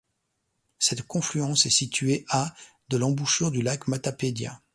Cette confluence est située à de l'embouchure du Lac Matapédia.